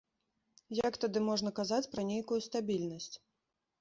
Як тады можна казаць пра нейкую стабільнасць?